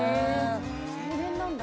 ・青年なんだ